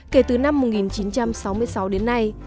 kể từ năm một nghìn chín trăm sáu mươi sáu đến nay